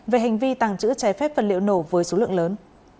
về hành vi tàng trữ trái phép vật liệu nổ với số lượng lớn